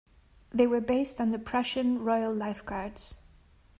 These were based on the Prussian Royal Life Guards.